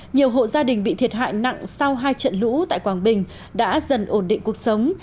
nhiều hộ gia đình bị thiệt hại nặng sau hai trận lũ tại quảng bình đã dần ổn định cuộc sống